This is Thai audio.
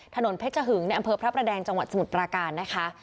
ถนนเพชรหึงในอำเภอพระประแดงจังหวัดสมุทรปราการนะคะ